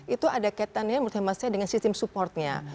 itu ada kaitannya menurut hemat saya dengan sistem supportnya